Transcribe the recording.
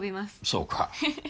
そうか。